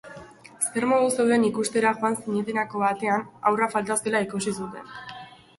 Zer moduz zeuden ikustera joan zirenetako batean, haurra falta zela ikusi zuten.